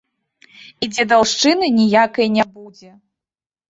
І дзедаўшчыны ніякай не будзе.